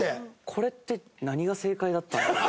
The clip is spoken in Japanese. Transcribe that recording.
これって何が正解だったんだろう？